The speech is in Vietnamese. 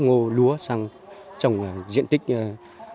ở đây là một cái nhiệm vụ trọng tâm và phát triển kinh tế chủ yếu là nông nhập